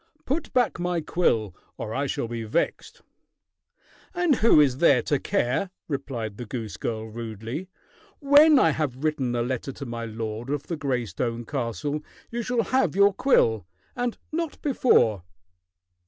Put back my quill, or I shall be vexed." "And who is there to care?" replied the goose girl rudely. "When I have written a letter to my lord of the gray stone castle, you shall have your quill and not before."